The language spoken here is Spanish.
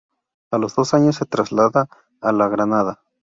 A los dos años se traslada a la de Granada.